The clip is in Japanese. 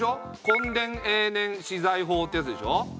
墾田永年私財法ってやつでしょ。